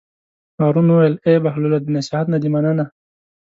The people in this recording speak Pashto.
هارون وویل: ای بهلوله د نصیحت نه دې مننه.